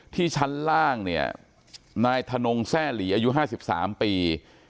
ที่ชั้นล่างเนี่ยนายทะโนงแทร่หลีอายุห้าสิบสามปี